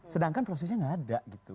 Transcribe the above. sedangkan prosesnya nggak ada gitu